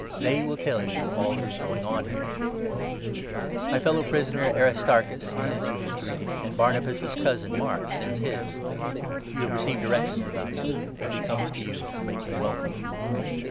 They will tell you all that is going on here. personal ^^ fellow prisoner, Aristarchus, sends you his 10 Greetings and greeting, and Barnabas's cousin, Mark, sends his. Messages. (You have received directions about him. If he comes to you, make him welcome.)